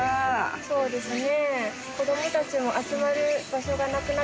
そうですね。